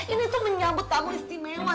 ini tuh menyambut tamu istimewa